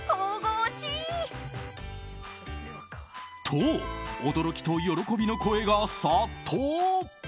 と、驚きと喜びの声が殺到。